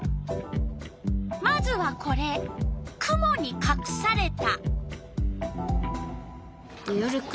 まずはこれ「くもにかくされた」。